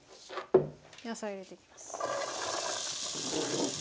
野菜を入れていきます。